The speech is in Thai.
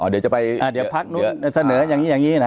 สเนื้ออย่างนี้อย่างนี้